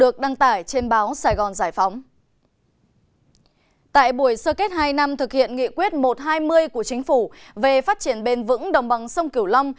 cuối sơ kết hai năm thực hiện nghị quyết một trăm hai mươi của chính phủ về phát triển bền vững đồng bằng sông kiểu long